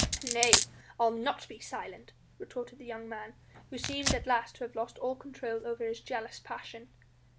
"Nay, I'll not be silent!" retorted the young man, who seemed at last to have lost all control over his jealous passion.